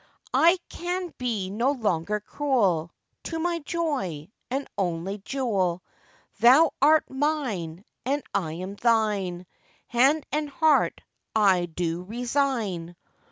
'I can be no longer cruel To my joy, and only jewel; Thou art mine, and I am thine, Hand and heart I do resign!